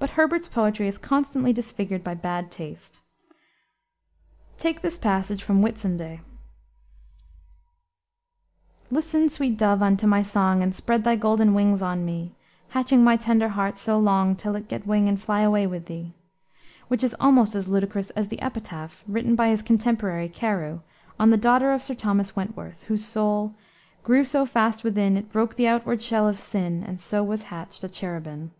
But Herbert's poetry is constantly disfigured by bad taste. Take this passage from Whitsunday, "Listen, sweet dove, unto my song, And spread thy golden wings on me, Hatching my tender heart so long, Till it get wing and fly away with thee," which is almost as ludicrous as the epitaph, written by his contemporary, Carew, on the daughter of Sir Thomas Wentworth, whose soul ... "grew so fast within It broke the outward shell of sin, And so was hatched a cherubin."